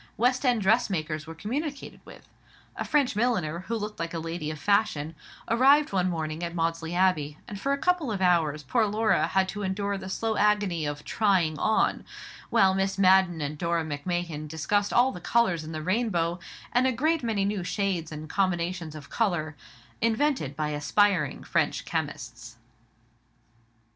West end dressmakers were communicated with. A French milliner, who looked like a lady of fashion, arrived one morning at Maudesley Abbey, and for a couple of hours poor Laura had to endure the slow agony of "trying on," while Mrs. Madden and Dora Macmahon discussed all the colours in the rainbow, and a great many new shades and combinations of colour, invented by aspiring French chemists.